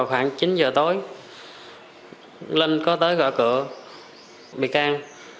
khoảng chín giờ tối linh có tới gợi cửa bị can